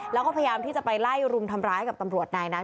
แล้วก็พยายามที่จะไปไล่รุมทำร้ายกับตำรวจนายนั้น